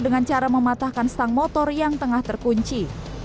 dengan cara mematahkan stang motor yang tengah terkunci